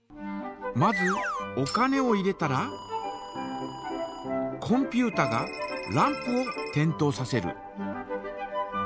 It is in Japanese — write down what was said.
まずお金を入れたらコンピュータがランプを点灯させる。